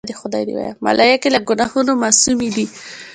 ملایکې له ګناهونو معصومی دي.